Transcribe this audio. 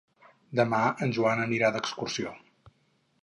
Demà en Joan anirà d'excursió.